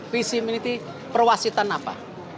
visi misi perwasitan apa